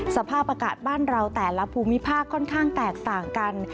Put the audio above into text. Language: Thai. สภาพอากาศบ้านเราแต่ละภูมิภาคค่อนข้างแตกต่างกัน